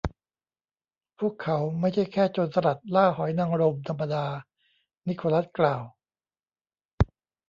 พวกเขาไม่ใช่แค่ โจรสลัดล่าหอยนางรมธรรมดา นิโคลัสกล่าว